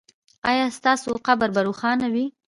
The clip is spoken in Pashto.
ایا ستاسو قبر به روښانه وي؟